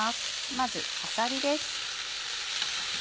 まずあさりです。